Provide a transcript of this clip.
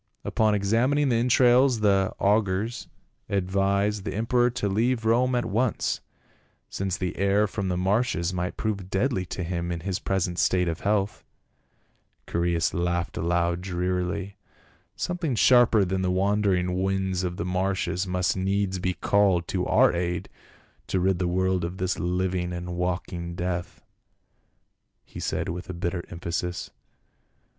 Upon examining the entrails the augurs ad vised the emperor to leave Rome at once, since the air from the marshes might prove deadly to him in his present state of health." Chaereas laughed aloud drearily. " Something sharper than the wandering winds of the marshes must needs be called to our aid to rid the world of this hving and walking death," he said with bitter emphasis.